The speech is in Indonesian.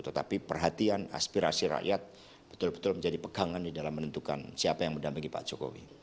tetapi perhatian aspirasi rakyat betul betul menjadi pegangan di dalam menentukan siapa yang mendampingi pak jokowi